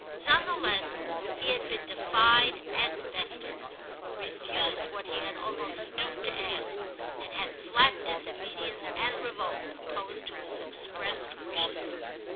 None the less he had been defied and bested, refused what he had almost stooped to ask, and had flat disobedience and revolt opposed to his expressed wishes.